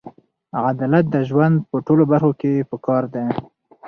عدالت د ژوند په ټولو برخو کې پکار دی.